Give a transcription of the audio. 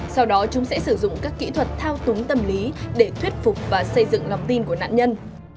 sau đó chúng sẽ sử dụng các kỹ thuật thao túng tâm lý để thuyết phục và xây dựng lòng tin của nạn nhân